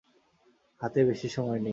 হাতে বেশি সময় নেই।